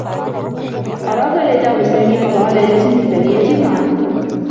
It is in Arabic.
أرادا ليلى و سامي قضاء ليلة مثاليّة معا.